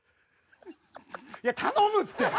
いや頼むって！